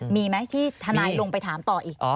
มีไหมที่ทนายลงไปถามต่ออีก